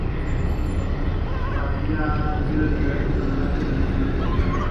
Padilla ha recibido diferentes homenajes desde su ejecución.